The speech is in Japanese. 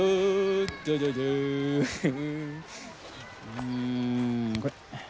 うんこれ。